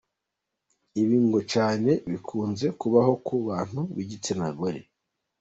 Ibi ngo cyane bikunze kubaho ku bantu b’igitsina gore.